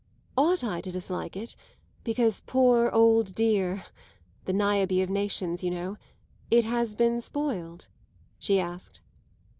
"Ought I to dislike it because, poor old dear the Niobe of Nations, you know it has been spoiled?" she asked.